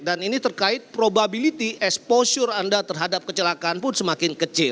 dan ini terkait probability exposure anda terhadap kecelakaan pun semakin kecil